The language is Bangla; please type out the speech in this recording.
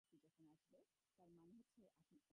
আমি টুনা মাছ নেব।